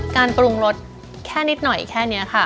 การปรุงรสแค่นิดหน่อยแค่นี้ค่ะ